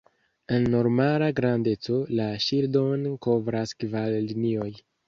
En normala grandeco, la ŝildon kovras kvar linioj.